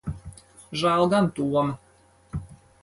Žēl gan Toma.